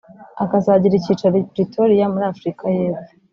akazagira icyicaro i Pretoria muri Afurika y’Epfo